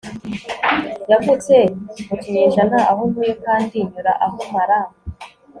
Yavutse mu kinyejana aho ntuye kandi nyura aho mara